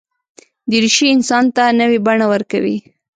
دریشي انسان ته نوې بڼه ورکوي.